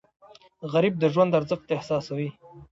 غریب د ژوند ارزښت احساسوي